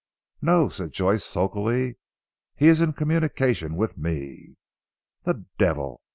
"No," said Joyce sulkily, "he is in communication with me." "The devil!"